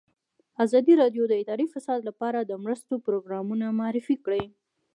ازادي راډیو د اداري فساد لپاره د مرستو پروګرامونه معرفي کړي.